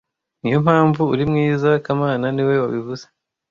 Niyo mpamvu uri mwiza kamana niwe wabivuze